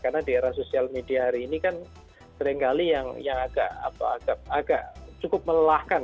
karena di era sosial media hari ini kan sering kali yang agak cukup melelahkan